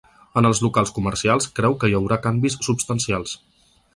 En els locals comercials, creu que hi haurà canvis substancials.